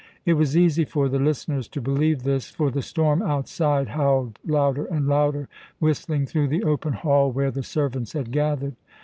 It was easy for the listeners to believe this; for the storm outside howled louder and louder, whistling through the open hall where the servants had gathered.